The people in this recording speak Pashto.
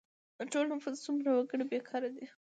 د ټول نفوس څومره وګړي بې کاره دي؟